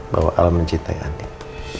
bahwa al mencintai andin